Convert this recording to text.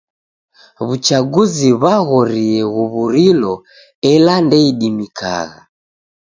W'uchaguzi w'aghorie ghuw'uriloela ndeidimikagha.